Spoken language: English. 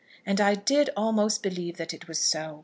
And I did almost believe that it was so.